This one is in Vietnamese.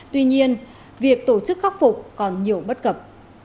tuy nhiên việc tổ chức khắc phục còn nhiều bất cập